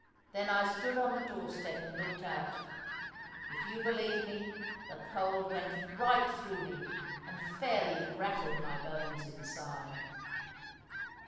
Then I stood on the doorstep and looked out—if you believe me, the cold went right through me, and fairly rattled my bones inside.